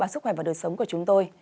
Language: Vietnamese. và sức khỏe và đời sống của chúng tôi